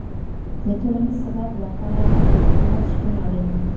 د ټولنيز ثبات له پاره د حکومت شتون اړين دی.